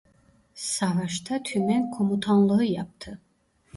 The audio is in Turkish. Savaşta Tümen Komutanlığı yaptı.